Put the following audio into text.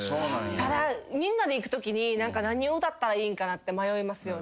ただみんなで行くときに何を歌ったらいいんかなって迷いますよね